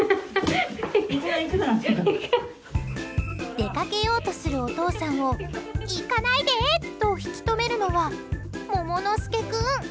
出かけようとするお父さんを行かないで！と引き止めるのはもものすけ君。